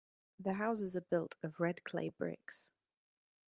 The houses are built of red clay bricks.